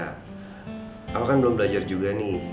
aku kan belum belajar juga nih